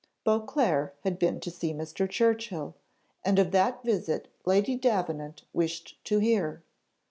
Beauclerc had been to see Mr. Churchill, and of that visit Lady Davenant wished to hear.